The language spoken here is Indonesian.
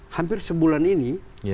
hampir sebulan ini